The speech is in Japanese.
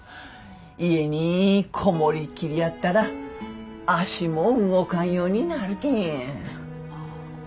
家に籠もりきりやったら足も動かんようになるけん。